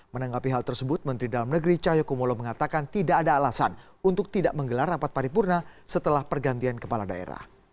menanggapi hal tersebut menteri dalam negeri cahaya kumolo mengatakan tidak ada alasan untuk tidak menggelar rapat paripurna setelah pergantian kepala daerah